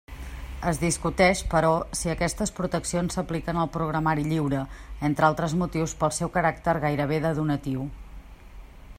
Es discuteix, però, si aquestes proteccions s'apliquen al programari lliure, entre altres motius pel seu caràcter gairebé de donatiu.